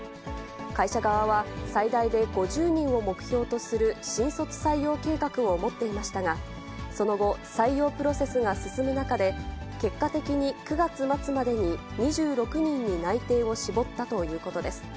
会社側は、最大で５０人を目標とする新卒採用計画を持っていましたが、その後、採用プロセスが進む中で、結果的に９月末までに２６人に内定を絞ったということです。